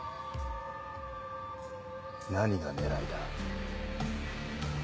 何が狙いだ？